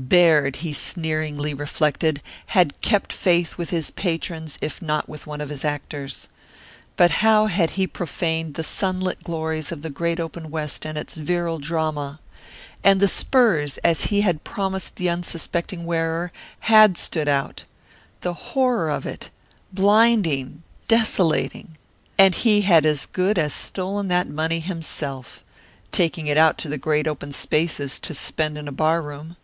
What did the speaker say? Baird, he sneeringly reflected, had kept faith with his patrons if not with one of his actors. But how he had profaned the sunlit glories of the great open West and its virile drama! And the spurs, as he had promised the unsuspecting wearer, had stood out! The horror of it, blinding, desolating! And he had as good as stolen that money himself, taking it out to the great open spaces to spend in a bar room.